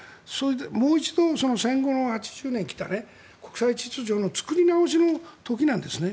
もう一度戦後の８０年に国際秩序の作り直しの時なんですね。